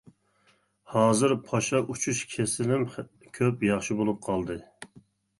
ھازىر پاشا ئۇچۇش كېسىلىم كۆپ ياخشى بولۇپ قالدى.